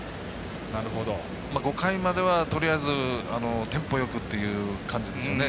５回までは、とりあえずテンポよくっていう感じですよね。